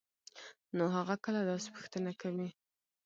نو هغه کله داسې پوښتنه کوي؟؟